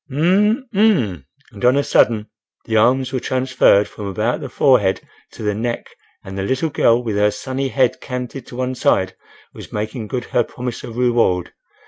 "Umhm—m!" And on a sudden, the arms were transferred from about the forehead to the neck and the little girl, with her sunny head canted to one side, was making good her promise of reward.